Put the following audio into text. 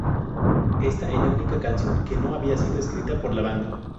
Esta es la única canción que no ha sido escrita por la banda.